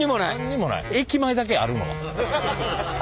駅前だけあるのは。